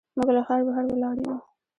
موږ له ښار بهر ولاړ یو.